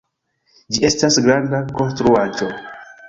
Ĝi estas granda konstruaĵo